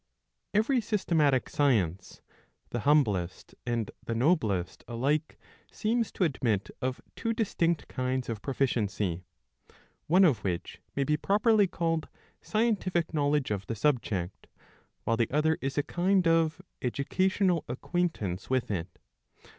I.) Every systematic science, the humblest and the noblest alike, seems to admit of two distinct kinds of proficiency ; one of which may be properly called scientific knowledge of the subject, while the other is a kind of ^educational acquaintance with it.